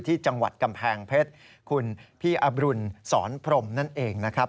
ที่จังหวัดกำแพงเพชรคุณพี่อบรุณสอนพรมนั่นเองนะครับ